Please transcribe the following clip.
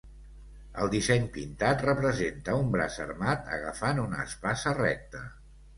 El disseny pintat representa un braç armat agafant una espasa recta.